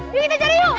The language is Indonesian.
yuk kita cari yuk